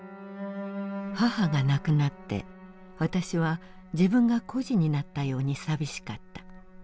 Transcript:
「母が亡くなって私は自分が孤児になったように寂しかった。